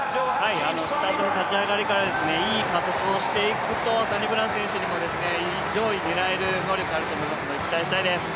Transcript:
スタートの立ち上がりからいい加速をしていくとサニブラウン選手にも上位狙える能力があると思うので期待したいです。